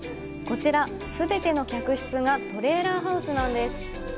こちら、全ての客室がトレーラーハウスなんです！